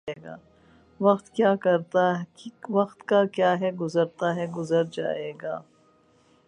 وقت کا کیا ہے گزرتا ہے گزر جائے گا